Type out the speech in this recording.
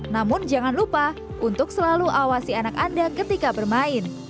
namun jangan lupa untuk selalu awasi anak anda ketika bermain